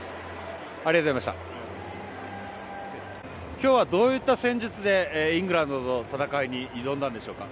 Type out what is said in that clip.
今日はどういった戦術でイングランドとの戦いに挑んだんでしょうか。